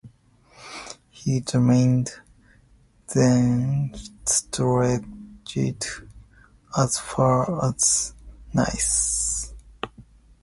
His dominions then stretched as far east as Nice.